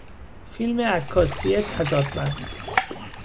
فیلم عکاسی تضادمند